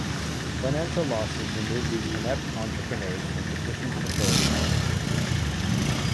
Financial losses remove these inept entrepreneurs from positions of authority in industry.